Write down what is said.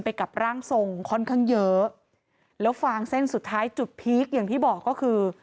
กับร่างทรงค่อนข้างเยอะแล้วฟางเส้นสุดท้ายจุดพีคอย่างที่บอกก็คือ